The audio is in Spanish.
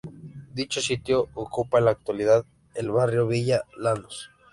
Dicho sitio ocupa en la actualidad el barrio Villa Lanús.